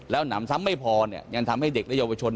หนำซ้ำไม่พอยังทำให้เด็กและเยาวชน